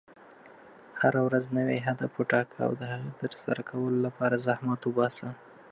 هره ورځ نوی هدف وټاکه، او د هغې د ترسره کولو لپاره زحمت وباسه.